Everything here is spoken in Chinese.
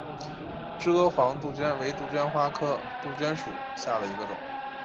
蔗黄杜鹃为杜鹃花科杜鹃属下的一个种。